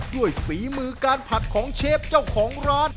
ฝีมือการผัดของเชฟเจ้าของร้าน